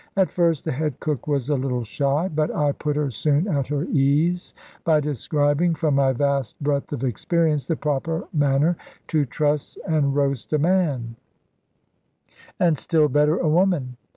At first the head cook was a little shy; but I put her soon at her ease by describing (from my vast breadth of experience) the proper manner to truss and roast a man and still better a woman.